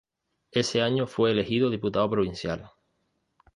Ese año fue elegido diputado provincial.